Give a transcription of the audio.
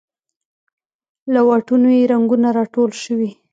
له واټونو یې رنګونه راټول شوې